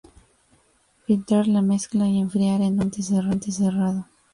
Filtrar la mezcla y enfriar en un recipiente cerrado.